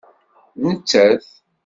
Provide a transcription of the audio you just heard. D nettat.